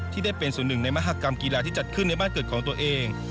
ที่ได้เป็นส่วนหนึ่งในมหากรรมกีฬาที่จัดขึ้นในบ้านเกิดของตัวเอง